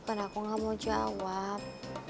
karena aku gak mau jawab